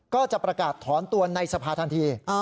ก็จะประกาศถอนตัวในสภาทันที